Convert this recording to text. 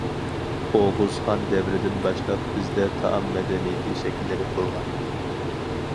ئوغۇزخان دەۋرىدىن باشلاپ بىزدە تائام مەدەنىيىتى شەكىللىنىپ بولغان.